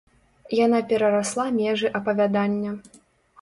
Яна перарасла межы апавядання.